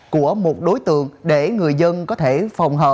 của một đối tượng để người dân có thể phòng